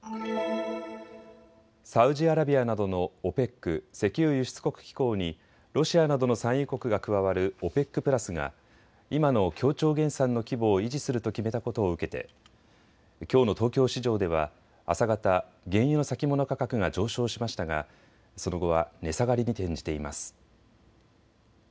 サウジアラビアなどのＯＰＥＣ・石油輸出国機構にロシアなどの産油国が加わるＯＰＥＣプラスが今の協調減産の規模を維持すると決めたことを受けてきょうの東京市場では朝方、原油の先物価格が上昇しましたがその後は値下がりに転じています。